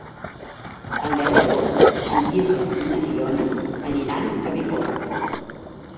El deu d'agost en Quirze i na Fiona aniran a Bicorb.